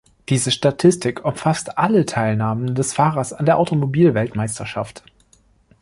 Diese Statistik umfasst alle Teilnahmen des Fahrers an der Automobil-Weltmeisterschaft.